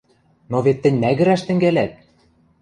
— Но вет тӹнь мӓгӹрӓш тӹнгӓлӓт!